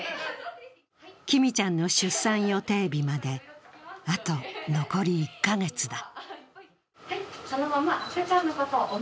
きみちゃんの出産予定日まであと残り１カ月だ。